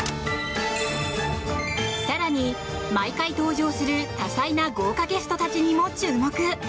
更に、毎回登場する多彩な豪華ゲストたちにも注目！